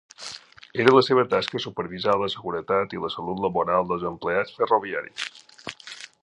Era la seva tasca supervisar la seguretat i la salut laboral dels empleats ferroviaris.